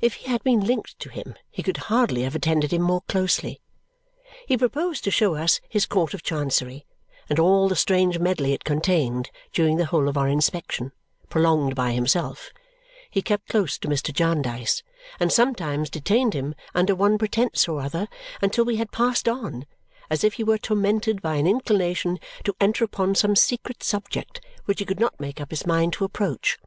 If he had been linked to him, he could hardly have attended him more closely. He proposed to show us his Court of Chancery and all the strange medley it contained; during the whole of our inspection (prolonged by himself) he kept close to Mr. Jarndyce and sometimes detained him under one pretence or other until we had passed on, as if he were tormented by an inclination to enter upon some secret subject which he could not make up his mind to approach.